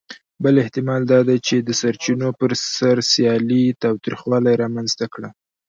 بل احتمال دا دی، چې د سرچینو پر سر سیالي تاوتریخوالي رامنځ ته کړه.